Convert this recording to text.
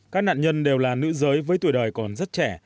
các nạn nhân đều là nữ giới với tuổi đời còn rất trẻ